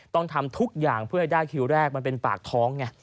ต้องทำทุกอย่างเพื่อให้ได้คิวแรกมันเป็นปากท้องไง